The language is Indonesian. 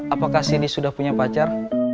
apakah sini sudah punya pacar